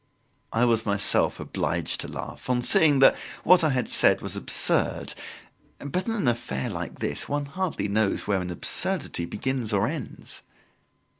I was myself obliged to laugh, on seeing that what I had said was absurd; but in an affair like this one hardly knows where an absurdity begins or ends.